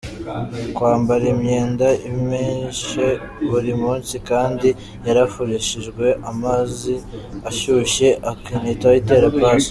Kwambara imyenda imeshe buri munsi kandi yarafurishijwe amazi ashyushye ikanahita iterwa ipasi,.